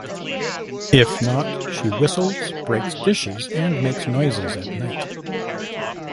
If not, she whistles, breaks dishes, and makes noises at night.